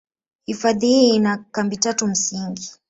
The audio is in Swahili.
Hifadhi hii ina kambi tatu msingi.